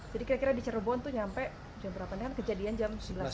jadi kira kira di cirebon itu sampai jam berapa nih kan kejadian jam sebelas ya